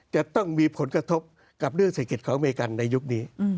จะต้องมีผลกระทบกับเรื่องเศรษฐกิจของอเมริกันในยุคนี้